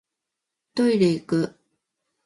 トイレいく